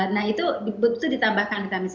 nah itu ditambahkan vitamin c